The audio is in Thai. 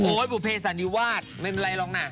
โอ้ยบุเภสันดิวาสไม่เป็นไรหรอกนะ